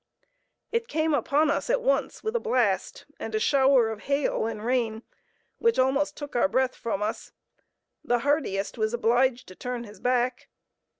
It came upon us at once with a blast, and a shower of hail and rain, which almost took our breath from us. The hardiest was obliged to turn his back.